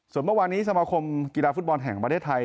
ส่วนเมื่อวานนี้สมาคมกีฬาฟุตบอลแห่งประเทศไทย